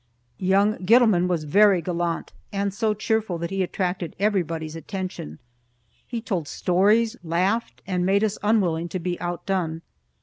Young Gittleman was very gallant, and so cheerful that he attracted everybody's attention. He told stories, laughed, and made us unwilling to be outdone.